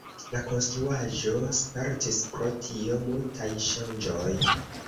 La konstruaĵo spertis pro tio multaj ŝanĝoj.